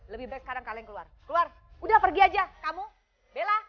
lebih baik sekarang kalian keluar keluar udah pergi aja kamu bela